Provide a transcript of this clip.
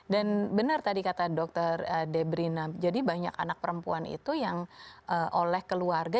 dan benar tadi kata dr debrina jadi banyak anak perempuan itu yang oleh keluarga